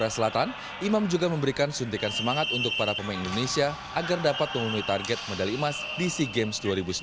di korea selatan imam juga memberikan suntikan semangat untuk para pemain indonesia agar dapat memenuhi target medali emas di sea games dua ribu sembilan belas